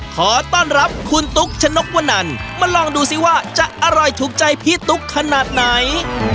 ขอต้อนรับคุณตุ๊กชนกวนันมาลองดูซิว่าจะอร่อยถูกใจพี่ตุ๊กขนาดไหน